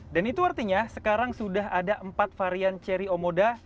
dan itu artinya sekarang sudah ada empat varian cherry omoda